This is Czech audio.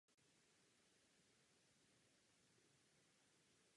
Během vývoje se její tvar výrazně mění.